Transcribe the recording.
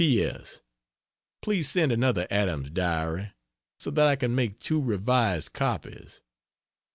P. S. Please send another Adam's Diary, so that I can make 2 revised copies.